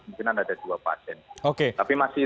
mungkin ada dua pasien tapi masih